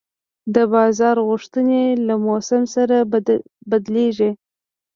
د بازار غوښتنې له موسم سره بدلېږي.